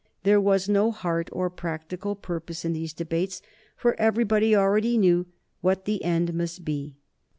There was no heart or practical purpose in these debates, for everybody already knew what the end must be.